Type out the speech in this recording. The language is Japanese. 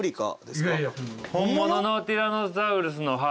本物のティラノサウルスの歯